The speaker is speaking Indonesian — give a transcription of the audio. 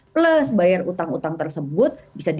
plus bayar utang utang tersebut